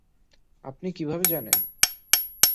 আপনি কিভাবে জানেন?